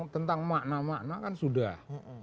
tentang makna makna kan sudah